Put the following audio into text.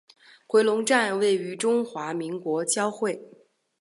回龙站位于中华民国交会。